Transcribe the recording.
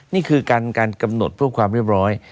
นี่คือการกำหนดเพื่อความเรียบร้อย